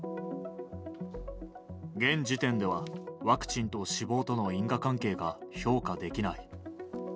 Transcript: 現時点ではワクチンと死亡との因果関係が評価できない。